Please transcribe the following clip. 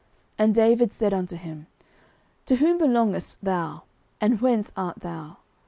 09:030:013 And David said unto him, To whom belongest thou? and whence art thou?